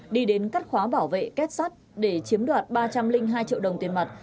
đi đến cắt khóa bảo vệ kết sắt để chiếm đoạt ba trăm linh hai triệu đồng tiền mặt